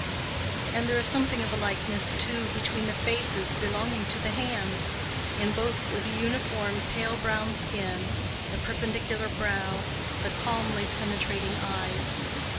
And there is something of a likeness, too, between the faces belonging to the hands—in both the uniform pale brown skin, the perpendicular brow, the calmly penetrating eyes.